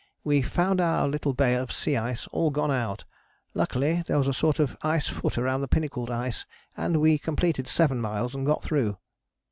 We found our little bay of sea ice all gone out. Luckily there was a sort of ice foot around the Pinnacled Ice and we completed seven miles and got through."